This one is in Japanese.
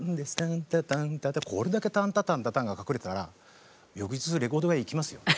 これだけタンタタンタタンが隠れてたら翌日レコード屋へ行きますよね。